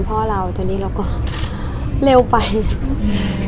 พี่นัสฝึงไปงานคือพี่พ่อเรา